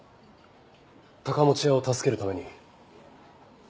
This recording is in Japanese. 高持屋を助けるために？